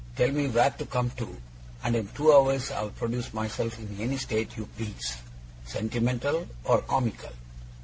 Tell me where to come to; and in two hours I'll produce myself in any state you please, sentimental or comical.